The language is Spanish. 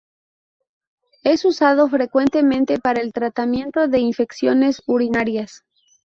Es usado frecuentemente para el tratamiento de infecciones urinarias.